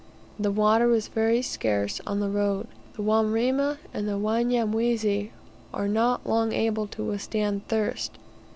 The water was very scarce on the road. The Wamrima and Wanyamwezi are not long able to withstand thirst.